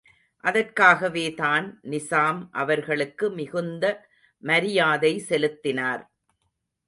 அதற்காகவேதான் நிசாம் அவர்களுக்கு மிகுந்த மரியாதை செலுத்தினார்.